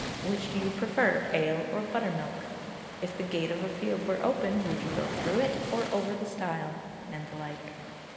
'Which do you prefer, ale or buttermilk?' 'If the gate of a field were open, would you go through it, or over the stile?' and the like.